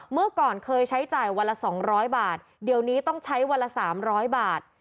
เมื่อก่อนเคยใช้จ่ายวันละ๒๐๐บาทเดี๋ยวนี้ต้องใช้วันละ๓๐๐บาท